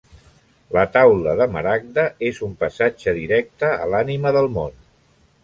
La Taula de Maragda és un passatge directe a l'Ànima del Món.